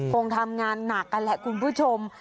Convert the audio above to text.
คงทำงานหนักกันแหละคุณผู้ชม